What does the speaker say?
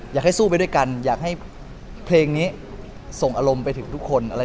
อยากให้สู้ไปด้วยกันอยากให้เพลงนี้ส่งอารมณ์ไปถึงทุกคน